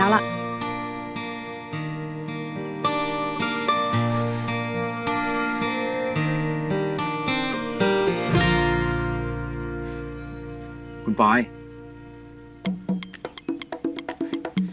สงสัยฟ้าดิงคงก็โดดไปแล้วล่ะ